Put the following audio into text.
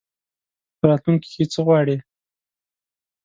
په راتلونکي کي څه غواړې ؟